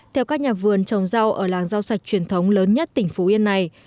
theo các nhà vườn trồng rau ở làng rau sạch truyền thống lớn nhất tỉnh phú yên này